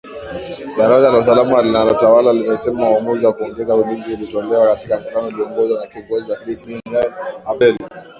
Baraza la usalama linalotawala limesema uamuzi wa kuongeza ulinzi ulitolewa katika mkutano ulioongozwa na kiongozi wa kijeshi , generali Abdel